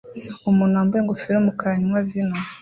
Umuntu wambaye ingofero yumukara anywa vino